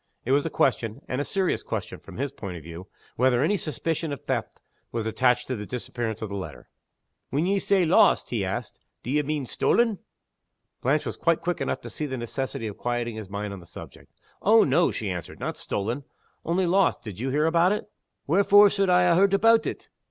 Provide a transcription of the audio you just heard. It was a question and a serious question, from his point of view whether any suspicion of theft was attached to the disappearance of the letter. "When ye say 'lost,'" he asked, "d'ye mean stolen?" Blanche was quite quick enough to see the necessity of quieting his mind on this point. "Oh no!" she answered. "Not stolen. Only lost. Did you hear about it?" "Wherefore suld I ha' heard aboot it?"